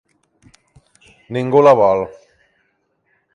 Ningú la vol.